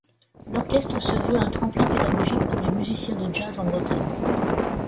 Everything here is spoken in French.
L'orchestre se veut un tremplin pédagogique pour les musiciens de jazz en Bretagne.